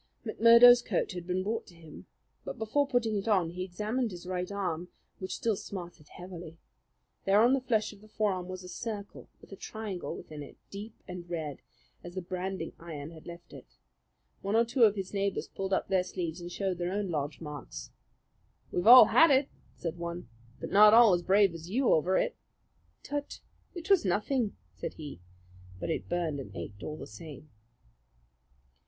McMurdo's coat had been brought to him; but before putting it on he examined his right arm, which still smarted heavily. There on the flesh of the forearm was a circle with a triangle within it, deep and red, as the branding iron had left it. One or two of his neighbours pulled up their sleeves and showed their own lodge marks. "We've all had it," said one; "but not all as brave as you over it." "Tut! It was nothing," said he; but it burned and ached all the same.